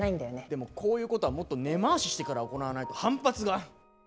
でもこういうことはもっと根回ししてから行わないと反発が。